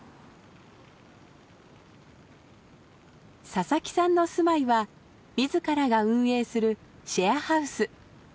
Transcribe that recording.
佐々木さんの住まいは自らが運営するシェアハウス。